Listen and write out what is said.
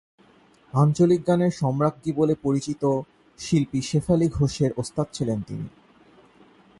আঞ্চলিক গানের সম্রাজ্ঞী বলে পরিচিত শিল্পী শেফালী ঘোষের ওস্তাদ ছিলেন তিনি।